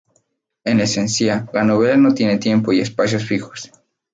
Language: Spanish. En esencia la novela no tiene tiempo y espacios fijos.